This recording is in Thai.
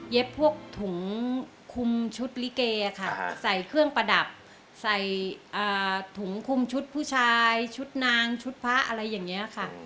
พวกถุงคุมชุดลิเกค่ะใส่เครื่องประดับใส่ถุงคุมชุดผู้ชายชุดนางชุดพระอะไรอย่างนี้ค่ะ